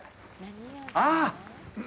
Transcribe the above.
ああ！